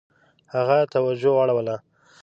هغه توجه واړوله.